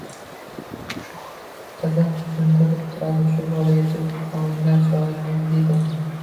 — Shu qizim tushuntirib turadi. Shu bola yetuk avangard shoirimiz, deydi.